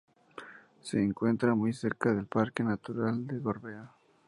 Se encuentra muy cerca del parque natural del Gorbea.